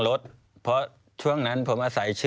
แล้วเขาสร้างเองว่าห้ามเข้าใกล้ลูก